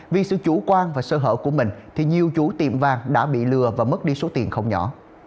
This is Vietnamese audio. vì sự chủ quan và sơ hở của mình thì nhiều chủ tiệm vàng đã bị lừa và mất đi số tiền không nhỏ